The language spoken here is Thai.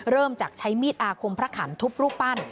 เริ่มจากใช้มีดอาคมพระขันทุบรูปปั้น